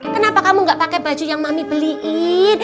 kenapa kamu gak pakai baju yang mami beliin